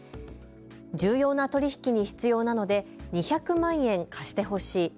重要な取り引きに必要なので２００万円貸してほしい。